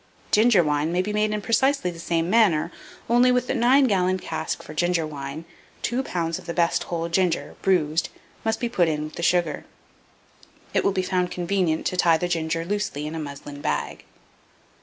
Ginger wine may be made in precisely the same manner, only, with the 9 gallon cask for ginger wine, 2 lbs. of the best whole ginger, 'bruised', must be put with the sugar. It will be found convenient to tie the ginger loosely in a muslin bag.